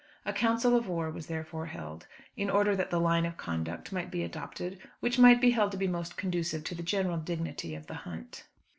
A council of war was therefore held, in order that the line of conduct might be adopted which might be held to be most conducive to the general dignity of the hunt.